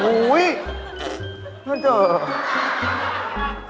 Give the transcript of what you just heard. เฮ่ยเจ้า